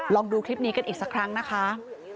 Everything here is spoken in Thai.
ลองดูคลิปนี้กันอีกสักครั้งนะคะ